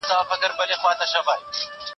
زه به سبا کښېناستل وکړم.